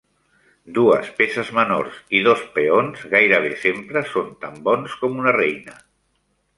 Dues peces menors i dos peons gairebé sempre són tan bons com una reina.